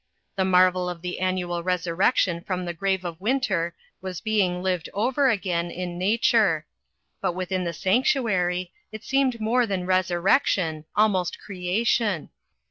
The marvel of the annual resurrection from the grave of winter was being lived over again in nature. But within the sanctuary it seemed more than resurrection, almost creation.